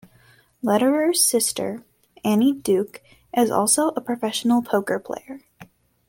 Lederer's sister, Annie Duke, is also a professional poker player.